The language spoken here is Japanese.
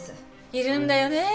いるんだよね